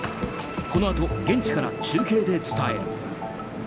このあと現地から中継で伝える。